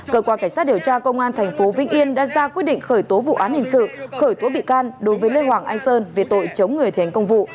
cơ quan cảnh sát điều tra công an tp vĩnh yên đã ra quyết định khởi tố vụ án hình sự khởi tố bị can đối với lê hoàng anh sơn về tội chống người thi hành công vụ